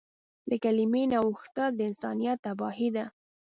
له کلیمې نه اوښتل د انسانیت تباهي ده.